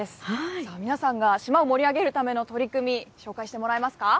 さあ、皆さんが島を盛り上げるための取り組み、紹介してもらえますか？